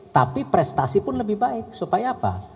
tapi prestasi pun lebih baik supaya apa